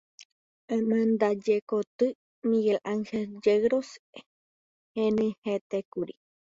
Amandajekoty “Miguel Angel Yegros” henyhẽtékuri.